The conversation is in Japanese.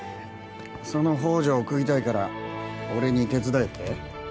その宝条を喰いたいから俺に手伝えって？